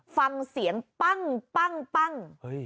ฟังเสียงปั้งปั้งปั้ง